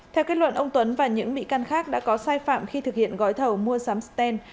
theo kết luận ông tuấn và những bị can khác đã có sai phạm khi thực hiện gói thầu mua sắm sten